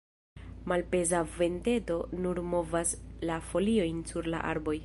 Malpeza venteto nur movas la foliojn sur la arboj.